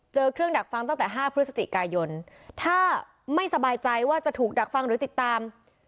เครื่องดักฟังตั้งแต่๕พฤศจิกายนถ้าไม่สบายใจว่าจะถูกดักฟังหรือติดตาม